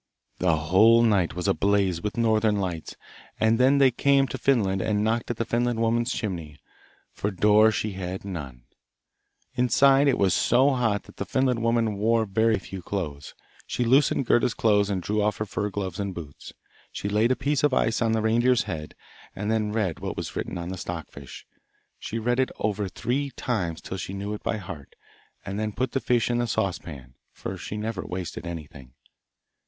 The whole night was ablaze with northern lights, and then they came to Finland and knocked at the Finland woman's chimney, for door she had none. Inside it was so hot that the Finland woman wore very few clothes; she loosened Gerda's clothes and drew off her fur gloves and boots. She laid a piece of ice on the reindeer's head, and then read what was written on the stock fish. She read it over three times till she knew it by heart, and then put the fish in the saucepan, for she never wasted anything.